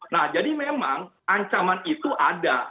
nah jadi memang ancaman itu ada